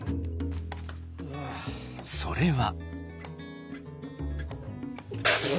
それは。